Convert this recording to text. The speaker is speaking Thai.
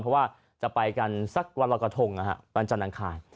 เพราะว่าจะไปกันสักวันรกฐงตอนจันทร์ดังข่าย